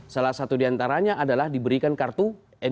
salah satu diantaranya adalah diberikan kartu